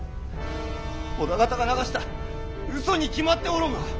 織田方が流した嘘に決まっておろうが！